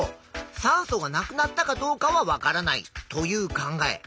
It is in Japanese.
酸素がなくなったかどうかは分からないという考え。